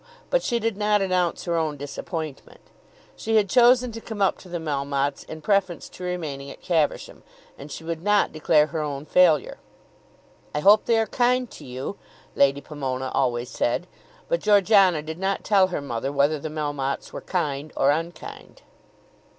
But she did not announce her own disappointment. She had chosen to come up to the Melmottes in preference to remaining at Caversham, and she would not declare her own failure. "I hope they are kind to you," Lady Pomona always said. But Georgiana did not tell her mother whether the Melmottes were kind or unkind.